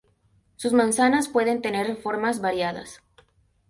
Sus manzanas pueden tener formas variadas.